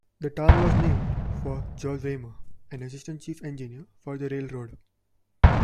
The town was named for George Raymer, an assistant chief engineer for the railroad.